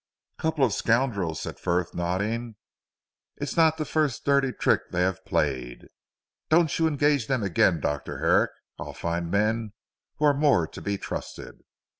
"Couple of scoundrels," said Frith nodding, "it's not the first dirty trick they have played. Don't you engage them again Dr. Herrick. I'll find men who are more to be trusted."